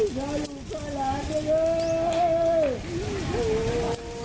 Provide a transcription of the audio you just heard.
โดนดาวเพิ่ม